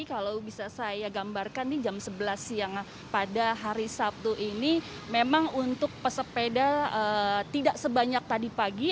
kalau bisa saya gambarkan jam sebelas siang pada hari sabtu ini memang untuk pesepeda tidak sebanyak tadi pagi